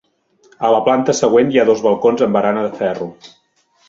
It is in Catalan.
A la planta següent hi ha dos balcons amb barana de ferro.